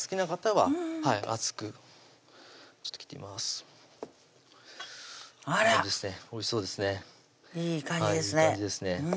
はいいい感じですね